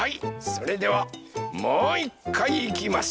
それではもういっかいいきます！